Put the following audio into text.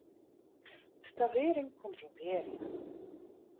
Stavering kontrolearje.